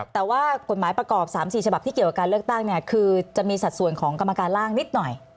แต่ว่ากฎหมายประกอบ๓๔ฉบับที่เกี่ยวกับการเลือกตั้งเนี่ยคือจะมีสัดส่วนของกรรมการร่างนิดหน่อย